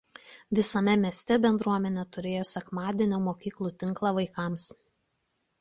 Visame mieste bendruomenė turėjo sekmadienio mokyklų tinklą vaikams.